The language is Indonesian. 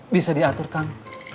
bisa diatur kang